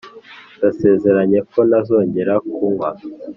ndasezeranye ko ntazongera kunywa.